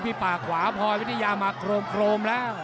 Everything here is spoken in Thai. ปากขวาพลอยวิทยามาโครมแล้ว